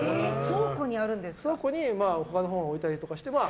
倉庫に他の本は置いたりして。